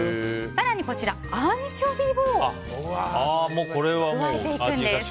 更にこちら、アンチョビを加えていくんです。